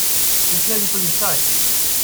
Ruf schnell die Polizei!